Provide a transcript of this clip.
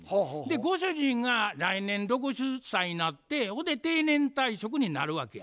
ご主人が来年６０歳になってほんで定年退職になるわけや。